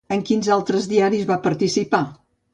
En quins altres diaris va participar?